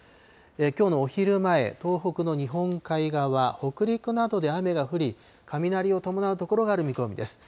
きょうのお昼前、東北の日本海側、北陸などで雨が降り、雷を伴う所がある見込みです。